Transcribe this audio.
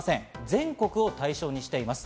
全国を対象にしています。